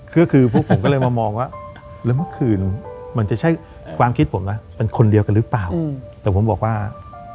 เอ้าแน่นอนตอนนั้นคือต้องรอย